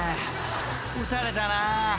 打たれたな］